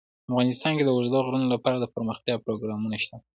افغانستان کې د اوږده غرونه لپاره دپرمختیا پروګرامونه شته.